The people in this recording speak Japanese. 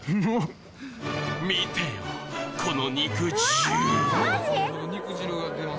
見てよこの肉汁！